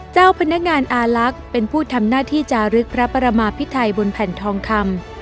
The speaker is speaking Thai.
เจ้าพนักงานอาลักษณ์เป็นผู้ทำหน้าที่จารึกพระประมาพิไทยบนแผ่นทองคำ